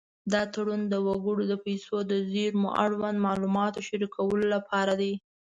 دا تړون د وګړو د پیسو د زېرمو اړوند معلومات شریکولو لپاره دی.